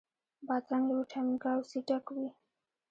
بادرنګ له ویټامین K او C ډک وي.